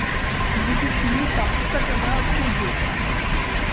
Il est dessiné par Sakana Tōjō.